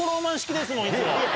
いつも。